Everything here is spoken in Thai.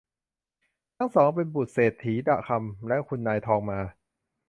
ทั้งสองเป็นบุตรเศรษฐีคำ และคุณนายทองมา